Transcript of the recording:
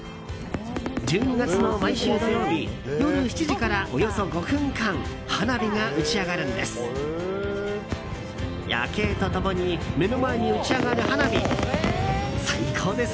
１２月の毎週土曜日夜７時からおよそ５分間花火が打ち上がるんです。